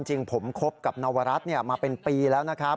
จริงผมคบกับนวรัฐมาเป็นปีแล้วนะครับ